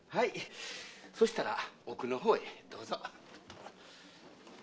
そしたら奥の方へどうぞ。